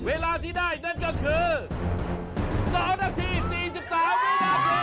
เวลาที่ได้นั่นก็คือ๒นาที๔๓วินาที